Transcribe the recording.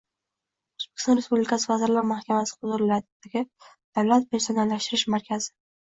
O‘zbekiston Respublikasi Vazirlar Mahkamasi huzuridagi Davlat personallashtirish markazi